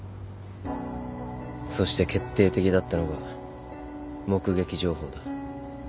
そして決定的だったのが目撃情報だ。